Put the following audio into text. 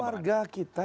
ada warga kita yang